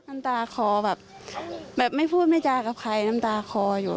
น้ำตาคอแบบแบบไม่พูดไม่จากับใครน้ำตาคออยู่